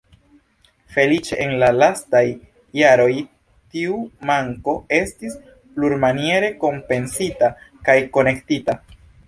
Feliĉe, en la lastaj jaroj, tiu manko estis plurmaniere kompensita kaj korektita.